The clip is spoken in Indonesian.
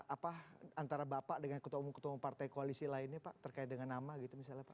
apa antara bapak dengan ketua umum ketua umum partai koalisi lainnya pak terkait dengan nama gitu misalnya pak